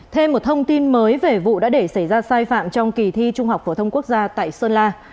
thêm một thông tin mới về vụ đã để xảy ra sai phạm trong kỳ thi trung học phổ thông quốc gia tại sơn la